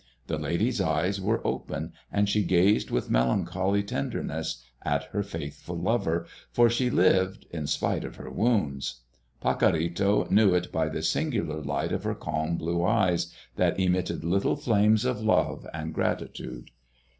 The lady's eyes were open, and she gazed with melancholy tenderness at her faithful lover, for she lived, in spite of her wounds. Pacorrito knew it by the singular light of her calm blue eyes, that emitted little flames of love and gratitude.